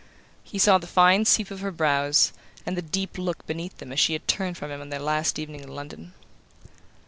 He saw the fine sweep of her brows, and the deep look beneath them as she had turned from him on their last evening in London.